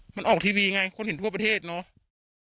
มันออกทีวีไงคนเห็นทั่วประเทศเนอะ